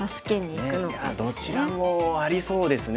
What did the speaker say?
いやどちらもありそうですね